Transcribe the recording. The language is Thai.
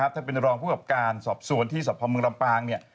ท่านเป็นรองผู้กับการสอบสวนที่สพเมืองลำปาง